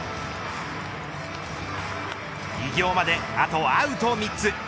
偉業まであとアウト３つ。